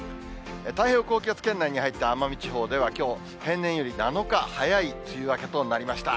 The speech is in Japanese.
太平洋高気圧圏内に入った奄美地方ではきょう、平年より７日早い梅雨明けとなりました。